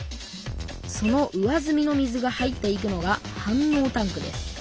その上ずみの水が入っていくのが反応タンクです。